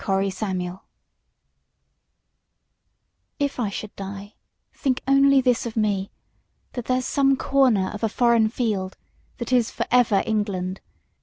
The Soldier If I should die, think only this of me: That there's some corner of a foreign field That is for ever England.